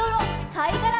「かいがら」